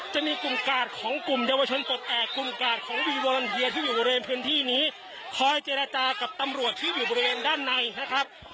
จะมีกลุ่มกาดของกลุ่มเยาวชนปลดแอบกลุ่มกาดของวีวอลันเฮียที่อยู่บริเวณพื้นที่นี้คอยเจรจากับตำรวจที่อยู่บริเวณด้านในนะครับ